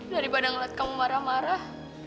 daripada ngelihat kamu marah marah